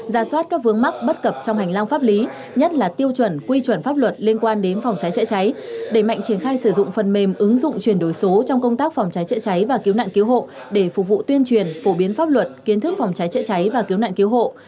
ra soát các vướng mắc bất cập trong hành lang pháp lý nhất là tiêu chuẩn quy chuẩn pháp luật liên quan đến phòng cháy chữa cháy đẩy mạnh triển khai sử dụng phần mềm ứng dụng chuyển đổi số trong công tác phòng cháy chữa cháy và cứu nạn cứu hộ để phục vụ tuyên truyền phổ biến pháp luật kiến thức phòng cháy chữa cháy và cứu nạn cứu hộ